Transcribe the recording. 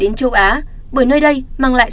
đến châu á bởi nơi đây mang lại